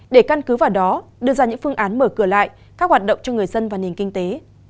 để căn cứ vào đó đưa ra những phương án mở cửa lại các hoạt động cho người dân và nền kinh tế